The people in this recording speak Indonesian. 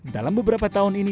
dalam beberapa tahun ini